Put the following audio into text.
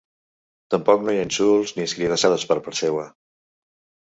Tampoc no hi ha insults ni escridassades per part seua.